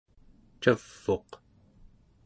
cav'uq